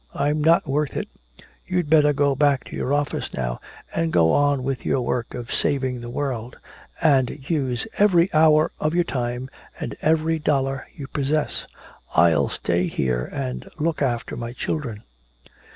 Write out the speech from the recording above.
I'm not worth it. You'd better go back to your office now and go on with your work of saving the world. And use every hour of your time and every dollar you possess. I'll stay here and look after my children."